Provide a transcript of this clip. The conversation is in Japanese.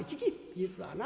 実はな